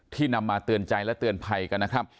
นำมาเตือนใจและเตือนภัยกันนะครับ